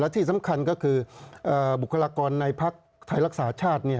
ที่สำคัญก็คือบุคลากรในภักดิ์ไทยรักษาชาติ